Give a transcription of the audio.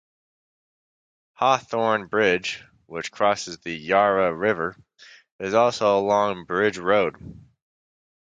Hawthorn Bridge, which crosses the Yarra River, is also along Bridge Road.